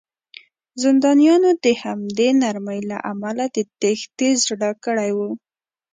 زندانیانو د همدې نرمۍ له امله د تېښتې زړه کړی و